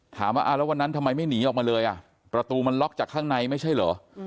ถามว่าแล้ววันนั้นทำไมไม่หนีออกมาเลยอ่ะประตูมันล็อกจากข้างในไม่ใช่เหรอ